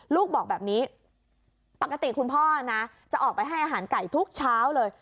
ลูกบอกแบบนี้ปกติคุณพ่อนะจะออกไปให้อาหารไก่ทุกเช้าเลย